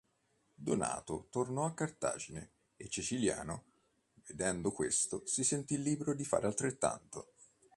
Donato tornò a Cartagine e Ceciliano, vedendo questo, si sentì libero di fare altrettanto.